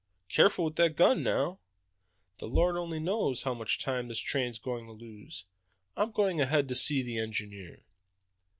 Careful with that gun now! The Lord only knows how much time this train's going to lose. I'm going ahead to see the engineer."